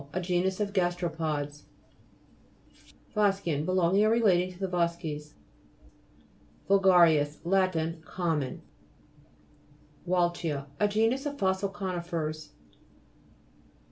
A genus of gasteropods. VO'SGEAN Belonging or relating to VULGA'RIS Lat. Common. WAL'CHIA A genus of fossil co'nifers (p.